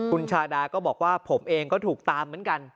คุณชาดาก็บอกว่าผมเองก็ถูกตามเหมือนกัน